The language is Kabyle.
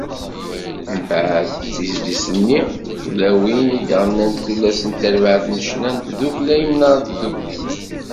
Mbeɛd, d tizlit-nni “Tulawin" i d-ɣennant tullas n terbaɛt n ccna n Tdukkla Imnar n Tdukli.